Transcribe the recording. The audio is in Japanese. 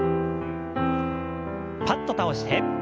パッと倒して。